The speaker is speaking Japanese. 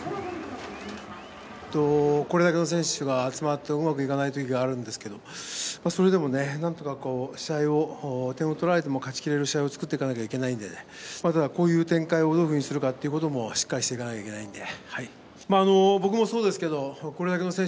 これだけの選手が集まってもうまくいかない時があるんですけどそれでも、何とか点を取られても勝ち切れる試合を作っていかなければいけないのでただこういう展開どうするかもしっかりしていかないといけないんで。